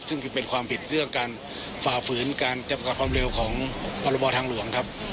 ซึ่งเป็นความผิดเรื่องการฝ่าฝืนการจำกัดความเร็วของพรบทางหลวงครับ